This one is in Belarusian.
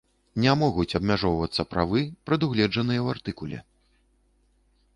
Не могуць абмяжоўвацца правы, прадугледжаныя ў артыкуле.